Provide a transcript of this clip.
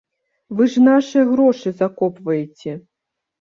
Вы ж нашыя грошы закопваеце.